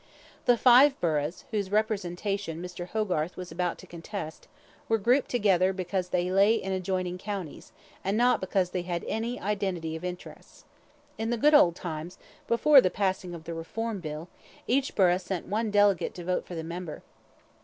The five burghs, whose representation Mr. Hogarth was about to contest, were grouped together because they lay in adjoining counties, and not because they had any identity of interests. In the good old times, before the passing of the Reform Bill, each burgh sent one delegate to vote for the member.